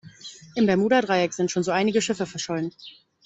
Im Bermuda-Dreieck sind schon so einige Schiffe verschollen.